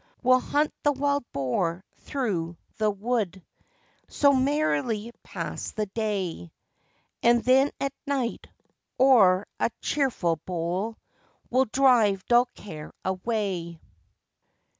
We'll hunt the wild boar through the wold, So merrily pass the day; And then at night, o'er a cheerful bowl, We'll drive dull care away.